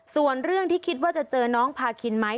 ส่วนเรื่องที่คิดว่าจะเจอน้องพาคินไหม